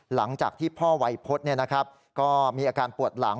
หลังจากที่พ่อวัยพฤษก็มีอาการปวดหลัง